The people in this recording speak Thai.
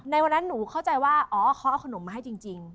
ในวันนั้นหนูเข้าใจว่าอ๋อเขาเอาขนมมาให้จริง